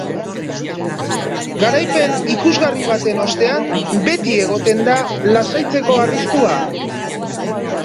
Garaipen ikusgarri baten ostean beti egoten da lasaitzeko arriskua.